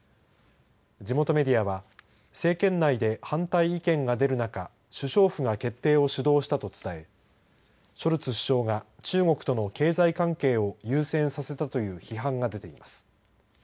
地元メディアは政権内で反対意見が出る中首相府が決定を主導したと伝えショルツ首相が中国との経済関係を優先させたという批判が出ています。